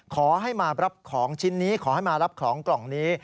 ขอให้มารับของชิ้นนี้ขอให้มารับของกล่องนี้